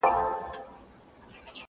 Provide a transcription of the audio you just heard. او د خلکو ټول ژوندون په توکل و,